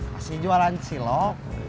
masih jualan silok